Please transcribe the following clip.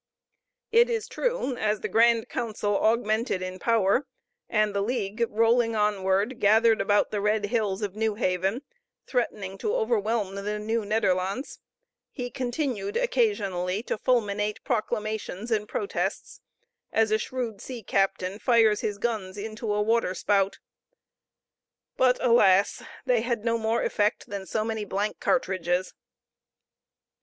It is true, as the grand council augmented in power, and the league, rolling onward, gathered about the red hills of New Haven, threatening to overwhelm the Nieuw Nederlandts, he continued occasionally to fulminate proclamations and protests, as a shrewd sea captain fires his guns into a water spout, but, alas! they had no more effect than so many blank cartridges.